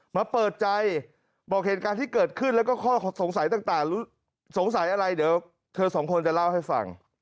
มาเปิดใจบอกเหตุการณ์ที่เกิดขึ้นแล้วก็ข้อสงสัยต่างสงสัยอะไรเดี๋ยวเธอสองคนจะเล่าให้ฟัง